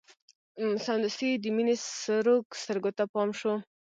سمدستي يې د مينې سرو سترګو ته پام شو.